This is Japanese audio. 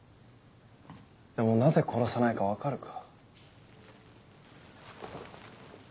でもなぜ殺さないか分かるか？